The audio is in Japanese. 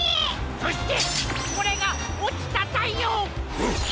そしてこれが「おちたたいよう」！